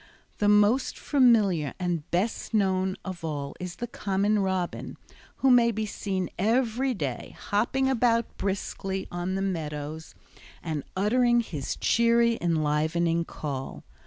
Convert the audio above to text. The most familiar and best known of all is the common robin, who may be seen every day, hopping about briskly on the meadows and uttering his cheery, enlivening call.